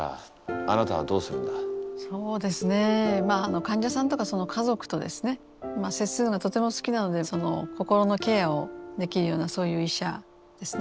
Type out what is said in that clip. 患者さんとかその家族とですね接するのがとても好きなのでその心のケアをできるようなそういう医者ですね。